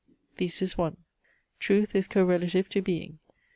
THESIS I Truth is correlative to being.